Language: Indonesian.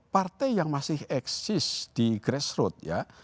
partai yang masih eksis di grassroot ya